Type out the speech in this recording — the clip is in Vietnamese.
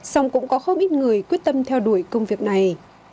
xong cũng có không ít người quyết tâm theo đuổi công việc này